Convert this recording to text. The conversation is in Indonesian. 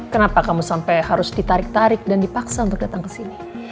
kenapa kamu sampai harus ditarik tarik dan dipaksa untuk datang ke sini